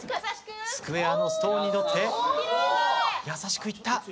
スクエアのストーンに乗って優しくいった。